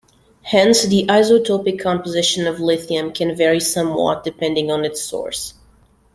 Hence the isotopic composition of lithium can vary somewhat depending on its source.